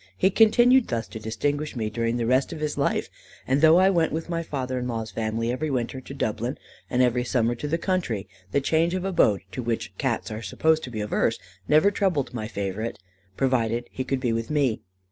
He continued thus to distinguish me during the rest of his life; and though I went with my father in law's family every winter to Dublin, and every summer to the country, the change of abode (to which Cats are supposed to be averse) never troubled my favourite, provided he could be with me.